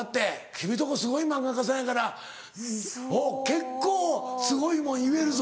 君のとこすごい漫画家さんやから結構すごいもん言えるぞ。